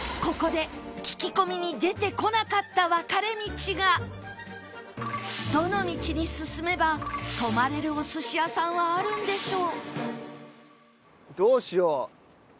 ここでどの道に進めば泊まれるお寿司屋さんはあるんでしょう？